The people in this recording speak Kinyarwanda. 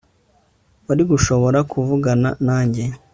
Wari gushobora kuvugana nanjye